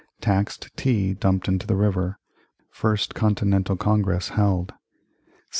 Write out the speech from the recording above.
Taxed Tea dumped into the river First Continental Congress held 1775.